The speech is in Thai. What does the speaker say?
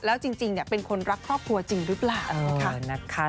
แล้วจริงเนี่ยเป็นคนรักครอบครัวจริงรึเปล่า